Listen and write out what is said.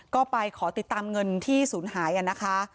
ก็ไปขอติดตามเงินที่ศูนย์หายนะคะ